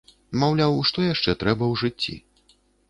Маўляў, што яшчэ трэба ў жыцці?